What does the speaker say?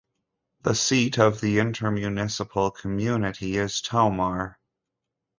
The seat of the intermunicipal community is Tomar.